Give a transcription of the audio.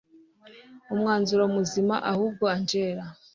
umwanzuro muzima ubwo angella